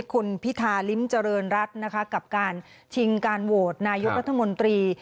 คุณพิธาริมเจริญรัฐนะคะกับการชิงการโหวตนายกรัฐมนตรี